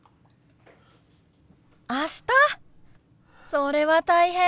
それは大変！